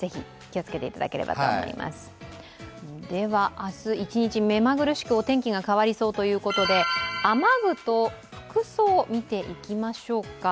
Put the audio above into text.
明日一日、目まぐるしくお天気が変わりそうということで雨具と服装を見ていきましょうか。